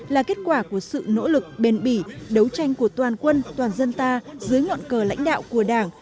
là kết quả của sự nỗ lực bền bỉ đấu tranh của toàn quân toàn dân ta dưới ngọn cờ lãnh đạo của đảng